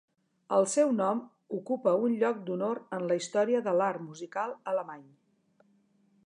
El seu nom ocupa un lloc d'honor en la història de l'art musical alemany.